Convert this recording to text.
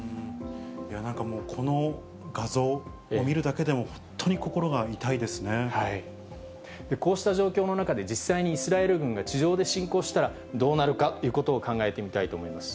なんかもう、この画像を見るこうした状況の中で、実際にイスラエル軍が地上で侵攻したら、どうなるかということを考えてみたいと思います。